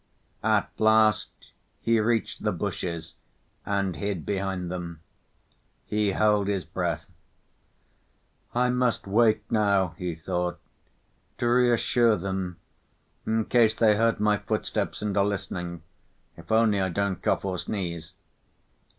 At last he reached the bushes and hid behind them. He held his breath. "I must wait now," he thought, "to reassure them, in case they heard my footsteps and are listening ... if only I don't cough or sneeze."